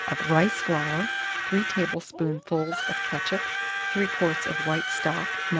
of rice flour, 3 tablespoonfuls of ketchup, 3 quarts of white stock, No.